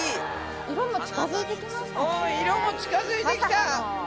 色も近づいてきた！